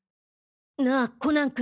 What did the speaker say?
なぁコナン君。